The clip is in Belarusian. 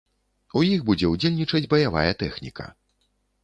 У іх будзе ўдзельнічаць баявая тэхніка.